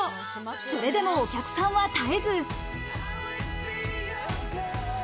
それでもお客さんは絶えず。